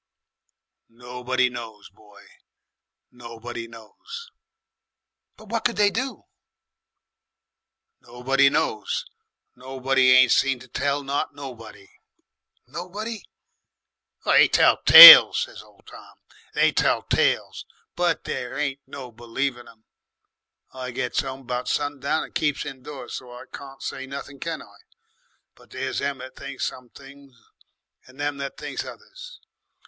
"Nobody knows, boy, nobody knows." "But what could they do?" "Nobody knows. Nobody ain't seen to tell not nobody." "Nobody?" "They tell tales," said old Tom. "They tell tales, but there ain't no believing 'em. I gets 'ome about sundown, and keeps indoors, so I can't say nothing, can I? But there's them that thinks some things and them as thinks others.